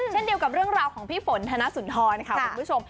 เช่นเดียวกับเรื่องราวของพี่ฝนธนสุนทรค่ะคุณผู้ชม